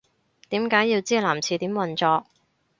點解要知男廁點運作